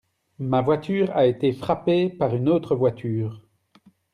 Ma voiture a été frappé par une autre voiture.